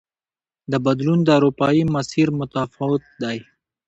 د بدلون دا اروپايي مسیر متفاوت دی.